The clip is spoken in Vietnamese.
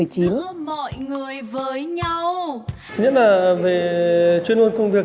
thứ nhất là về chuyên môn công việc